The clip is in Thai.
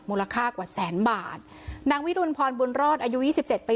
มูลค่ากว่าแสนบาทนางวิรุณพรบุญรอดอายุยี่สิบเจ็ดปี